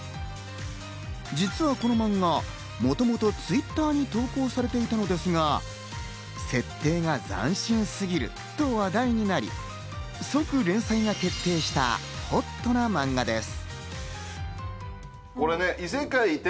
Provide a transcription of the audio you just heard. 実はこのマンガ、もともとＴｗｉｔｔｅｒに投稿されていたのですが、設定が斬新すぎると話題になり、即連載が決定した、ほっとなマンガです。